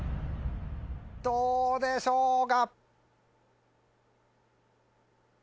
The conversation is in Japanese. どうでしょうか？